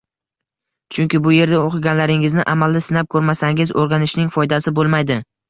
Chunki bu yerda o’qiganlaringizni amalda sinab ko’rmasangiz o’rganishning foydasi bo’lmaydi